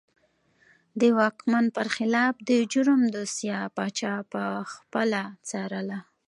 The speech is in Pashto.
د واکمن پر خلاف د جرم دوسیه پاچا پخپله څارله.